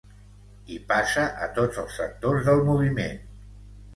I passa a tots els sectors del moviment.